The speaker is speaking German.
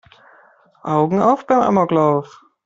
Augen auf beim Amoklauf!